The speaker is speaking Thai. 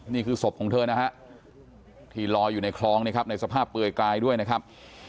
นี่คือศพของเธอนะฮะที่ลอยอยู่ในคลองนะครับในสภาพเปลือยกายด้วยนะครับ